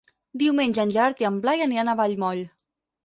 Diumenge en Gerard i en Blai aniran a Vallmoll.